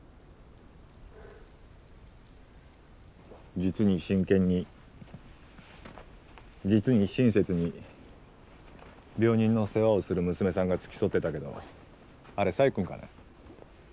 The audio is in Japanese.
実に真剣に実に親切に病人の世話をする娘さんが付き添ってたけどあれ細君かね。